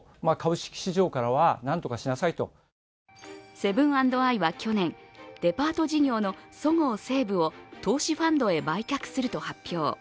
セブン＆アイは去年、デパート事業のそごう・西武を投資ファンドへ売却すると発表。